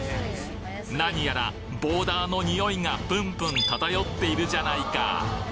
何やらボーダーの匂いがプンプン漂っているじゃないか